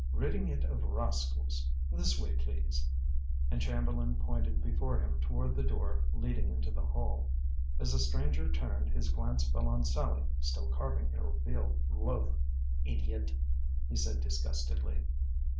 "Ridding it of rascals. This way, please;" and Chamberlain pointed before him toward the door leading into the hall. As the stranger turned, his glance fell on Sallie, still carving her veal loaf. "Idiot!" he said disgustedly.